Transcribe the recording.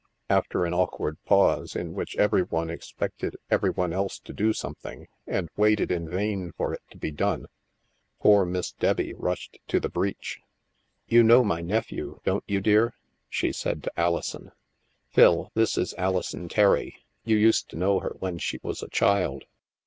After an awkward pause, in which every one ex pected every one else to do something, and waited in vain for it to be done, poor Miss Debbie rushed to the breach. "You know my nephew, don't you, dear?" she said to Alison. " Phil, this is Alison Terry ; you used to know her when she was a child."